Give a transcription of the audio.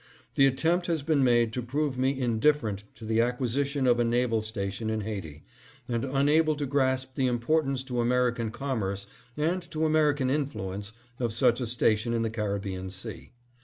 " The attempt has been made to prove me indifferent to the acquisition of a naval station in Haiti, and unable to grasp the importance to American commerce and to American influence of such a station in the Caribbean Sea.